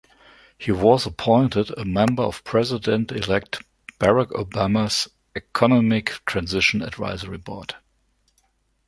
He was appointed a member of President-elect Barack Obama's economic transition advisory board.